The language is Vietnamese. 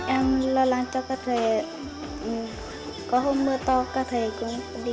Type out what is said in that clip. em lo lắng cho các thầy có hôm mưa to các thầy cũng đi